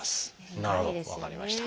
なるほど分かりました。